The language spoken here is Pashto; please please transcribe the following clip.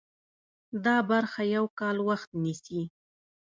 دا برخه یو کال وخت نیسي.